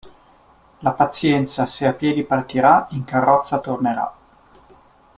La pazienza se a piedi partirà in carrozza tornerà.